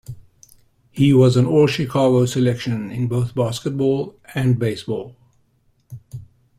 He was an All-Chicago selection in both basketball and baseball.